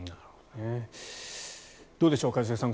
どうでしょう、一茂さん